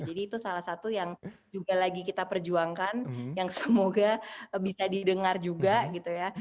jadi itu salah satu yang juga lagi kita perjuangkan yang semoga bisa didengar juga gitu ya